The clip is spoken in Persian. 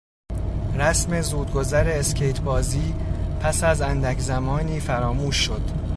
رسم زودگذر اسکیت بازی پس از اندک زمانی فراموش شد.